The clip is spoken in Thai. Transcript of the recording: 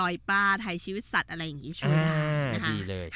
ลอยป้าถ่ายชีวิตศัตริย์อะไรอย่างงี้ชวนหลาน